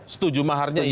setuju maharnya iya